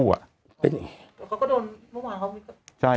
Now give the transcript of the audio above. เขาก็โดนเมื่อวานเขา